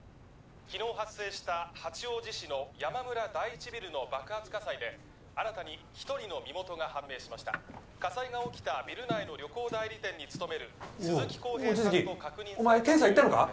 昨日発生した八王子市の山村第一ビルの爆発火災で新たに一人の身元が判明しました火災が起きたビル内の旅行代理店に勤める望月お前検査行ったのか？